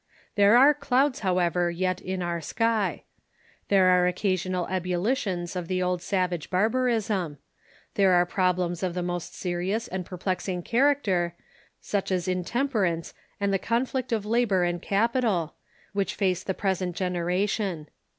There are clouds, however, yet in our sky ; there are occasional ebul litions of the old savage barbarism ; there are problems of the most serious and perplexing character, such as intemperance and the conflict of labor and capital, which face the present generation.